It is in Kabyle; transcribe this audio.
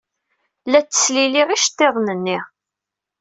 La ttesliliɣ iceḍḍiḍen-nni.